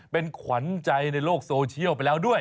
เป็นขวัญใจในโลกโซเชียลไปแล้วด้วย